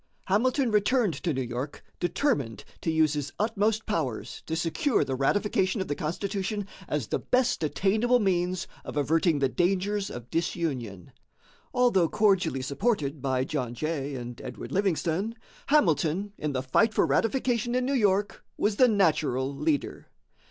Hamilton returned to New York determined to use his utmost powers to secure the ratification of the Constitution as the best attainable means of averting the dangers of disunion. Although cordially supported by John Jay and Edward Livingston, Hamilton, in the fight for ratification in New York, was the natural leader.